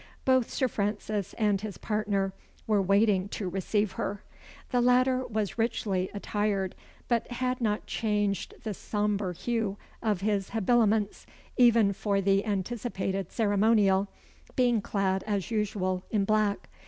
Both Sir Francis and his partner were waiting to receive her. The latter was richly attired, but had not changed the sombre hue of his habiliments, even for the anticipated ceremonial, being clad, as usual, in black.